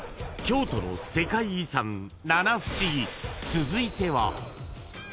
［続いては］